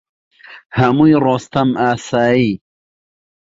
هەمووی ڕۆستەم ئاسایی